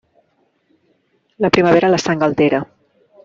La primavera la sang altera.